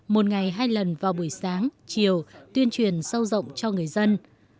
một ngày hai lần vào buổi sáng chiều tuyên truyền sâu rộng cho người dân